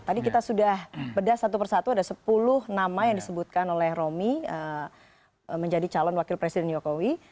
tadi kita sudah bedah satu persatu ada sepuluh nama yang disebutkan oleh romi menjadi calon wakil presiden jokowi